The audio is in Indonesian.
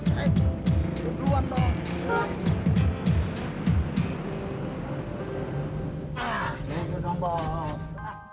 ke duluan dong bos